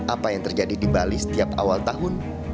apa yang terjadi di bali setiap awal tahun